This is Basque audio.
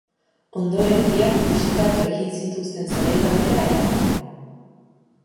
Ondoren, biak fusikatu egin zituzten zelai batera eramanda.